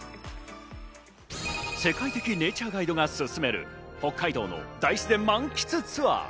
世界的ネイチャーガイドが薦める北海道の大自然満喫ツアー。